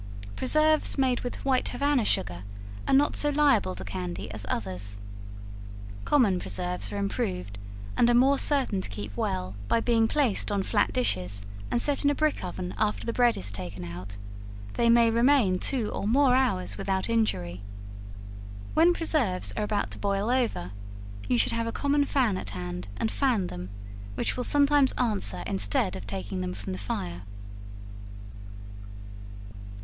Preserves made with white Havana sugar are not so liable to candy as others. Common preserves are improved, and are more certain to keep well, by being placed on flat dishes and set in a brick oven after the bread is taken out: they may remain two or more hours without injury. When preserves are about to boil over, you should have a common fan at hand and fan them, which will sometimes answer instead of taking them from the fire.